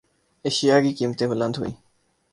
اشیا کی قیمتیں بلند ہوئیں